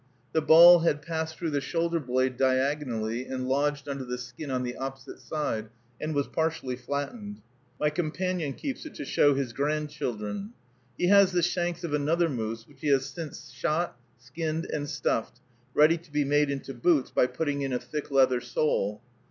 The ball had passed through the shoulder blade diagonally and lodged under the skin on the opposite side, and was partially flattened. My companion keeps it to show to his grandchildren. He has the shanks of another moose which he has since shot, skinned and stuffed, ready to be made into boots by putting in a thick leather sole.